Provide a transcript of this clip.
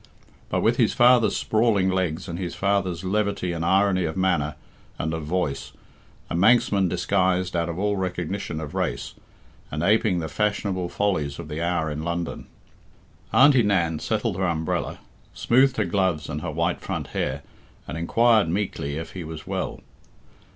But with his father's sprawling legs and his father's levity and irony of manner and of voice a Manxman disguised out of all recognition of race, and apeing the fashionable follies of the hour in London. Auntie Nan settled her umbrella, smoothed her gloves and her white front hair, and inquired meekly if he was well.